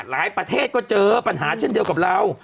ประเทศก็เจอปัญหาเช่นเดียวกับเรา